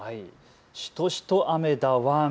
しとしと雨だワン！